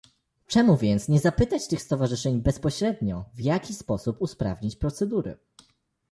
Czemu więc nie zapytać tych stowarzyszeń bezpośrednio, w jaki sposób usprawnić procedury?